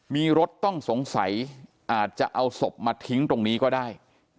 มีรถต้องสงสัยอาจจะเอาศพมาทิ้งตรงนี้ก็ได้